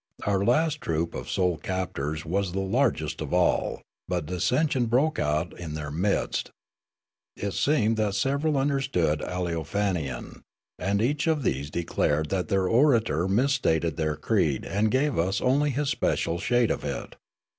Our last troop of soul captors was the largest of all, but dissension broke out in their midst. It seemed that several understood Aleofanian, and each of these declared that their orator misstated their creed and gave us only his special shade of it.